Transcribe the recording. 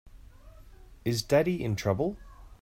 Is Daddy in trouble?